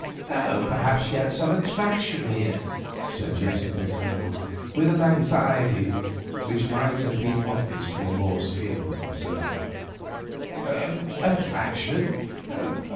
"Perhaps she had some attraction there," suggested the Colonel, with an anxiety which might have been obvious to a more skilled observer. "Attraction!